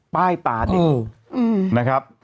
ป้ายตาเด็กนะครับ